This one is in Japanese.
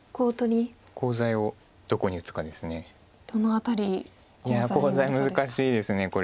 いやコウ材難しいですこれ。